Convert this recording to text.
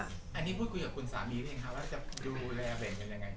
อันนี้พูดคุยกับคุณสามีหรือยังคะว่าจะดูแลแบ่งกันยังไง